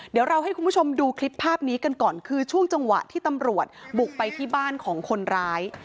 เดี๋ยวเราให้คุณผู้ชมดูคลิปภาพนี้กันก่อนคือช่วงจังหวะที่ตำรวจบุกไปที่บ้านของคนร้าย